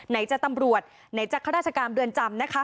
ไหนจะตำรวจไหนจะข้าราชการเรือนจำนะคะ